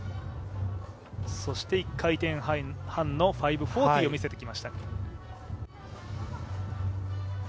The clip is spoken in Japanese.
そして１回転半の５４０を見せてきました。